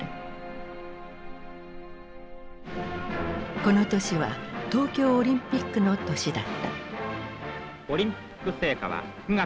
この年は東京オリンピックの年だった。